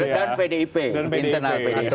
dan pdip internal pdip